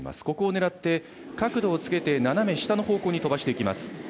ここを狙って角度をつけて斜め下の方向に飛ばしていきます。